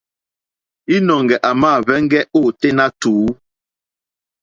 Līnɔ̄ŋgɛ̄ à màá hwēŋgɛ́ ôténá tùú.